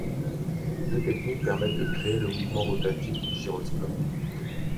Deux techniques permettent de créer le mouvement rotatif du gyroscope.